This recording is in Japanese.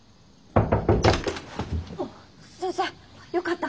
あっ先生よかった。